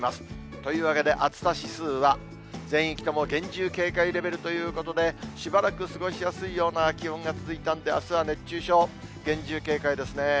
というわけで、暑さ指数は全域とも厳重警戒レベルということで、しばらく過ごしやすいような気温が続いたんで、あすは熱中症、厳重警戒ですね。